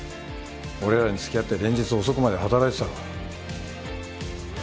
俺らにつきあって連日遅くまで働いてたろ。